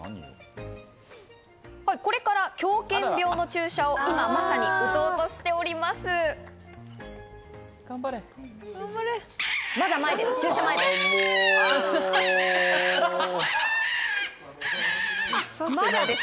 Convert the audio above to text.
これから狂犬病の注射をまさに打とうしております。